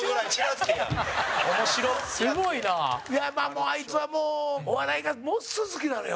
さんま：やっぱ、あいつはもうお笑いがものすごく好きなのよ。